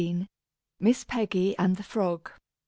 MISS PEGGY AND THE FROG.